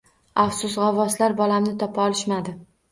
Afsus,g`avvoslar bolamni topa olishmadi